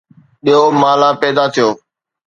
ٻيو مالا پيدا ٿيو